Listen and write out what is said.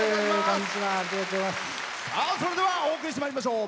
それではお送りしてまいりましょう。